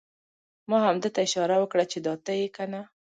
ما همده ته اشاره وکړه چې دا ته یې کنه؟!